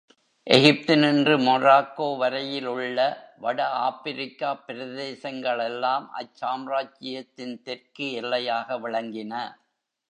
எகிப்தினின்று Morocco வரையில் உள்ள வட ஆப்பிரிக்காப் பிரதேசங்களெல்லாம் அச் சாம்ராஜ்யத்தின் தெற்கு எல்லையாக விளங்கின.